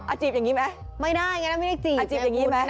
อ่าจีบอย่างงี้ไหมอ่าจีบอย่างงี้ไหมอ่านั้นถ้าไม่ขลาดหลอกแก้ว